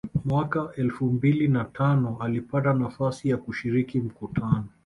Mwaka elfu mbili na tano alipata nafasi ya kushiriki mkutano